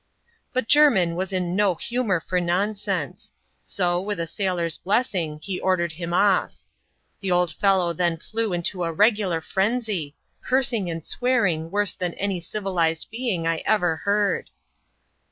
But Jermin was in no humour for nonsense; so, widi i| sailor's blessing, he ordered him off*. The old fellow then flew into a regular frenzy, cursing and swearing worse than any civilised being I ever heard.